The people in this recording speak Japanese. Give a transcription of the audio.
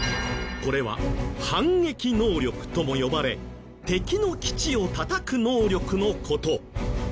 これは反撃能力とも呼ばれ敵の基地をたたく能力の事。